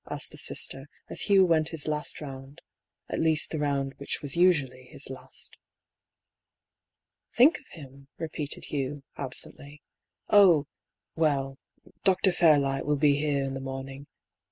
asked the Sister, as Hugh went his last round — at least the round which was usually his last. "Think of him?" repeated Hugh, absently. "Oh — well — Dr. Fairlight will be here in the morning.